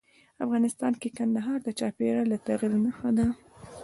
افغانستان کې کندهار د چاپېریال د تغیر نښه ده.